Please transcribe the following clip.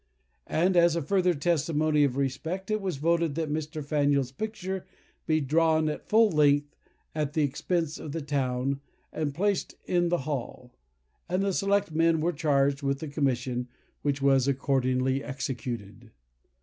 And as a further testimony of respect, it was voted "that Mr. Faneuil's picture be drawn at full length, at the expense of the town, and placed in the hall; and the select men were charged with the commission, which was accordingly executed."